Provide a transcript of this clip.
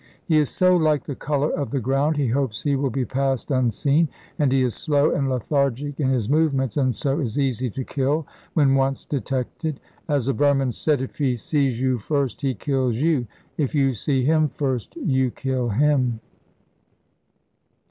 He is so like the colour of the ground, he hopes he will be passed unseen; and he is slow and lethargic in his movements, and so is easy to kill when once detected. As a Burman said, 'If he sees you first, he kills you; if you see him first, you kill him.'